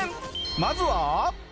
まずは。